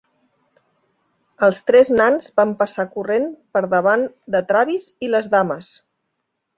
Els tres nans van passar corrent per davant de Travis i les dames.